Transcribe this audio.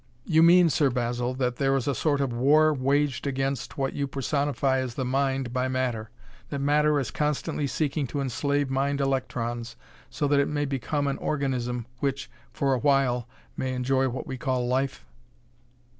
"You mean, Sir Basil, that there is a sort of war waged against what you personify as the Mind by matter; that matter is constantly seeking to enslave mind electrons, so that it may become an organism which, for awhile, may enjoy what we call life?"